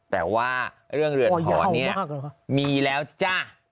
แต่ว่าเรื่องเรือนถอนเนี่ยมีแล้วจ้ะ